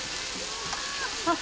あっ！